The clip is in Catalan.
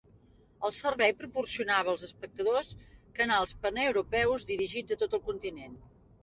El servei proporcionava als espectadors canals paneuropeus dirigits a tot el continent.